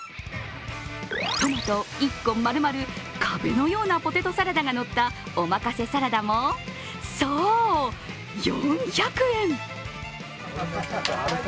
トマト１個丸々、壁のようなポテトサラダが乗ったおまかせサラダも、そう４００円。